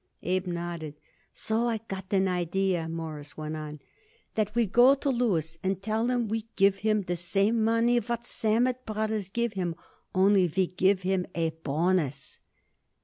Abe nodded. "So I got an idea," Morris went on, "that we go to Louis and tell him we give him the same money what Sammet Brothers give him, only we give him a bonus."